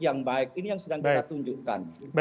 yang baik ini yang sedang kita tunjukkan